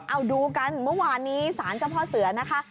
เอาดูกันเมื่อวานนี้ศาลเจ้าพ่อเสือนะคะ